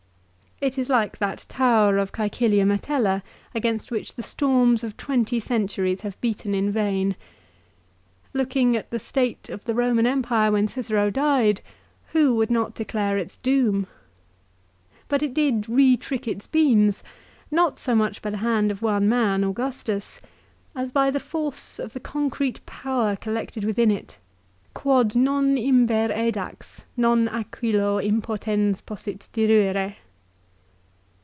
It is like that tower of Caecilia Metella against which the storms of twenty centuries have beaten in vain. Looking at the state of the Eoman Empire when Cicero died who would not declare its doom ? But it did "retrick its beams," not so much by the hand of one man, Augustus, as by the force of the concrete power collected within it, " Quod non imber edax non aquilo impotens Possit diruere."